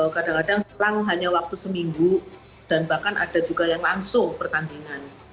kadang kadang selang hanya waktu seminggu dan bahkan ada juga yang langsung pertandingan